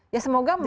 ya semoga mei juga